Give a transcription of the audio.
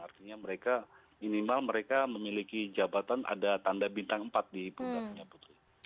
artinya mereka minimal mereka memiliki jabatan ada tanda bintang empat di punggaknya putri